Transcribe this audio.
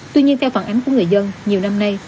tuy nhiên theo phản ánh của người dân nhiều năm nay